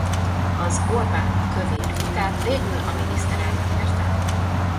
Az Orbán-Kövér vitát végül a miniszterelnök nyerte.